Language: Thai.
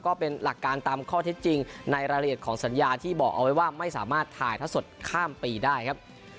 ก็เป็นหลักการตามข้อเท็จจริงในรายละเอียดของสัญญาที่บอกเอาไว้ว่าไม่สามารถถ่ายท่อสดข้ามปีได้ครับ